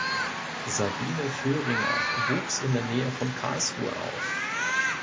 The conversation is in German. Sabine Vöhringer wuchs in der Nähe von Karlsruhe auf.